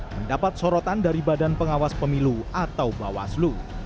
mendapat sorotan dari badan pengawas pemilu atau bawaslu